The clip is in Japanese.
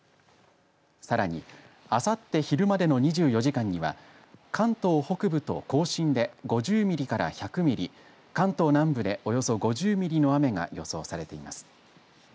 さらに、あさって昼までの２４時間には関東北部と甲信で５０ミリから１００ミリ関東南部で、およそ５０ミリの雨が予想されています。